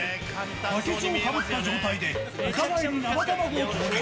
バケツをかぶった状態で、お互いに生卵を投入。